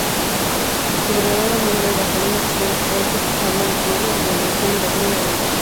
Su verdadero nombre era Helmut Kurt August Hermann Krüger, y nació en Berlín, Alemania.